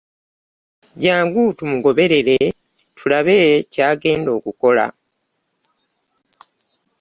Jangu tumugoberere tulabe kyagenda okukola.